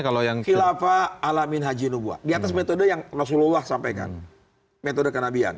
kalau yang khilafah alamin haji nubuah di atas metode yang rasulullah sampaikan metode kenabian